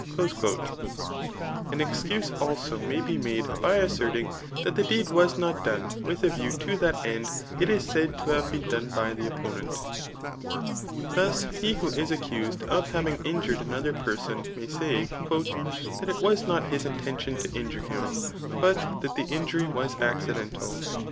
*' An excuse also may be made by asserdng that the deed was not done with a view to that end it is said to have been done by the opponent. Thus he who is accused of having injured another person may say, That it was not his intendon to injure him, but that the injury was accidental.